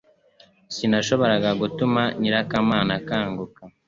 Sinashoboraga gutuma nyirakamana akanguka